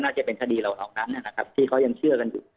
จะเป็นคดีเหล่านั้นนะครับที่เขายังเชื่อกันอยู่